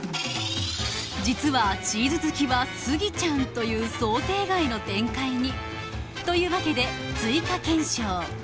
実はチーズ好きはスギちゃんという想定外の展開にというわけで追加検証